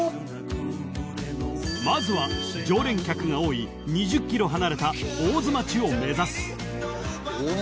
［まずは常連客が多い２０ｋｍ離れた大津町を目指す］